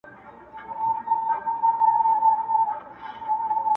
• چي په خیال کي سوداګر د سمرقند وو ,